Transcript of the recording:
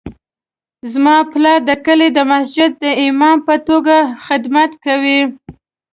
زما پلار د کلي د مسجد د امام په توګه خدمت کوي